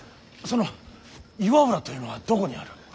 その岩浦というのはどこにある。